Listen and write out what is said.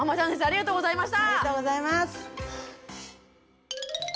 ありがとうございます！